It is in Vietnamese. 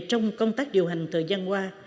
trong công tác điều hành thời gian qua